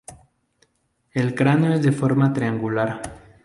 El cráneo es de forma triangular.